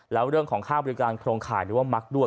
แล้วเรื่องของค่าบริการโครงข่ายหรือว่ามักด้วย